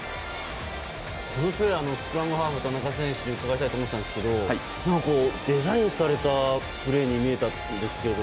このプレーをスクラムハーフの田中選手に伺いたいと思ったんですけどデザインされたプレーに見えたんですけど。